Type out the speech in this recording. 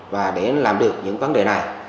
và để làm được những vấn đề này